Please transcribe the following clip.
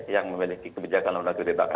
yang memiliki kebijakan